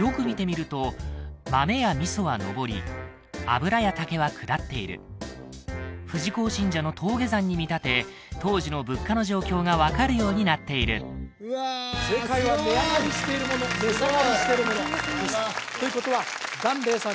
よく見てみると豆や味噌は登り油や竹は下っている富士講信者の登下山に見立て当時の物価の状況が分かるようになっている正解は「値上がりしているもの値下がりしているもの」ですということは檀れいさん